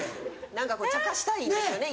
何かちゃかしたいんですよね